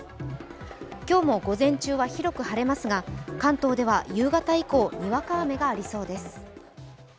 今日も午前中は広く晴れますが、関東では夕方以降にわか雨がありそうです。